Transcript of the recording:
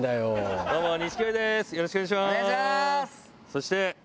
そして。